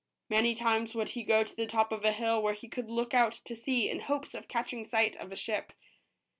Many times would he go to the top of a hill where he could look out to sea in hopes of catching sight of a ship.